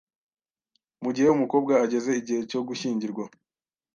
Mu gihe umukobwa ageze igihe cyo gushyingirwa